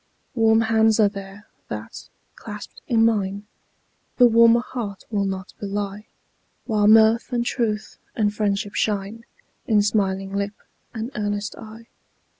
Warm hands are there, that, clasped in mine, The warmer heart will not belie; While mirth and truth, and friendship shine In smiling lip and earnest eye.